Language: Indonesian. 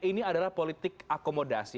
ini adalah politik akomodasi